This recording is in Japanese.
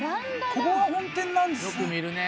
ここが本店なんですね。